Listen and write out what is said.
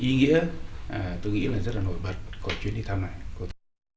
thì ý nghĩa tôi nghĩ là rất là nổi bật của chuyến đi thăm này